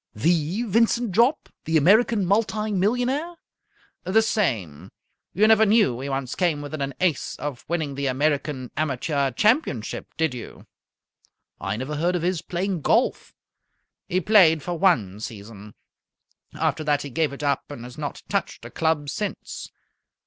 "The Vincent Jopp? The American multi millionaire?" "The same. You never knew he once came within an ace of winning the American Amateur Championship, did you?" "I never heard of his playing golf." "He played for one season. After that he gave it up and has not touched a club since.